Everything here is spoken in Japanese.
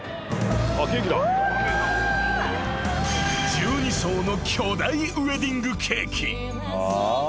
［１２層の巨大ウエディングケーキ］